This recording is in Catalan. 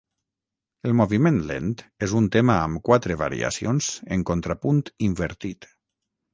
El moviment lent és un tema amb quatre variacions en contrapunt invertit.